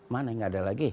mana gak ada lagi